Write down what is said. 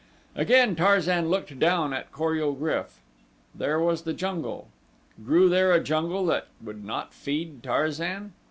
Again Tarzan looked down at Kor ul GRYF. There was the jungle! Grew there a jungle that would not feed Tarzan?